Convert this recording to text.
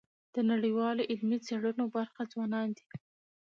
د نړیوالو علمي څېړنو برخه ځوانان دي.